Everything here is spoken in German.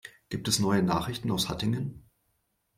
Gibt es neue Nachrichten aus Hattingen?